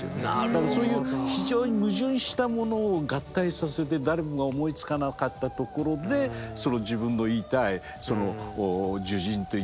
だからそういう非常に矛盾したものを合体させて誰もが思いつかなかったところで自分の言いたい「樹人」っていうようなものがあればいいんじゃないか。